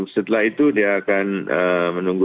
setelah itu dia akan menunggu